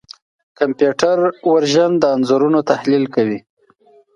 کمپیوټر وژن د انځورونو تحلیل کوي.